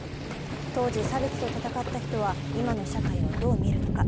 当時、差別と闘った人は今の社会をどう見るのか。